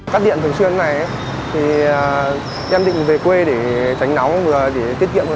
cắt điện thường xuyên ngày thì em định về quê để tránh nóng để tiết kiệm